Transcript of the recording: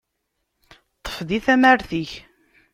Ṭṭef di tamart-ik!